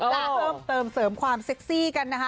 และเพิ่มเติมเสริมความเซ็กซี่กันนะคะ